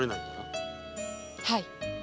はい。